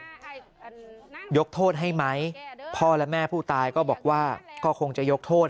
ยกโทษให้ไหมพ่อและแม่ผู้ตายก็บอกว่าก็คงจะยกโทษ